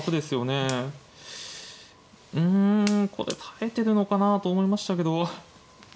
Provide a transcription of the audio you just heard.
うんこれ耐えてるのかなと思いましたけど。